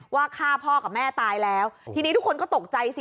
ว่าฆ่าพ่อกับแม่ตายแล้วทีนี้ทุกคนก็ตกใจสิ